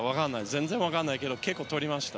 全然分からないけど結構、取りました。